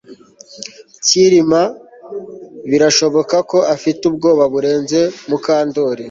Kirima birashoboka ko afite ubwoba burenze Mukandoli